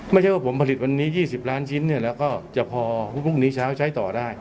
ไม่ใช่ว่าผมผลิตวันนี้ยี่สิบล้านชิ้นเนี่ยแล้วก็จะพอพรุ่งพรุ่งนี้เช้าใช้ต่อได้